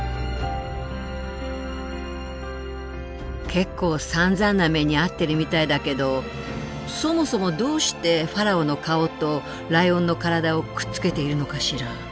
結構さんざんな目に遭ってるみたいだけどそもそもどうしてファラオの顔とライオンの体をくっつけているのかしら？